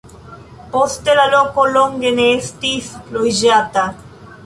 Poste la loko longe ne estis loĝata.